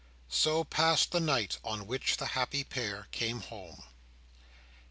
So passed the night on which the happy pair came home.